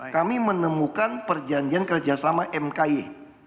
kami menemukan perjanjian kerjasama mki